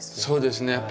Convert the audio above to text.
そうですね